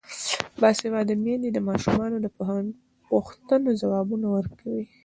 باسواده میندې د ماشومانو د پوښتنو ځوابونه ورکوي.